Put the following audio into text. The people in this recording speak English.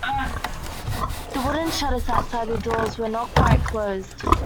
The wooden shutters outside the doors were not quite closed.